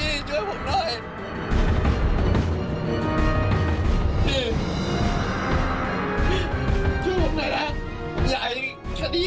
อย่าให้เขารับความผิดพลาดชีวิตเดียว